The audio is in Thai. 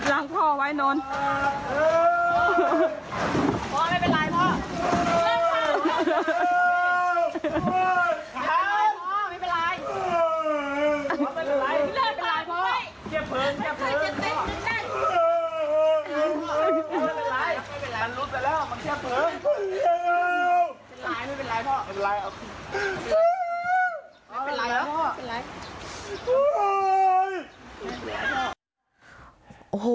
โอ้โหเป็นไรแล้ว